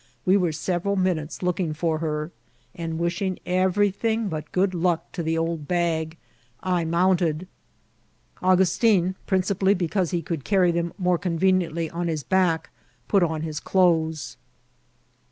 We were several minutes looking for her ; and wishing everything but good luck to the old bag, I mounted. Augustin, principally because he could carry them more conveni^itly on his back, put on his clothes.